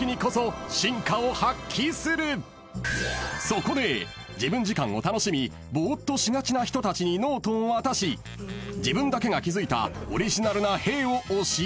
［そこで自分時間を楽しみボーっとしがちな人たちにノートを渡し自分だけが気付いた］